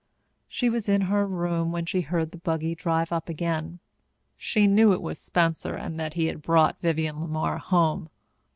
She was in her room when she heard the buggy drive up again. She knew it was Spencer and that he had brought Vivienne LeMar home.